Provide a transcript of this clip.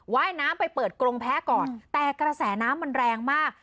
ว่ายน้ำไปเปิดกรงแพ้ก่อนแต่กระแสน้ำมันแรงมาก